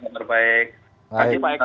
selamat pagi pak eko